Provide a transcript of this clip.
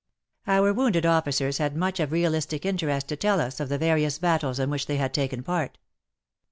Our wounded officers had much of realistic interest to tell us of the various battles in which they had taken part.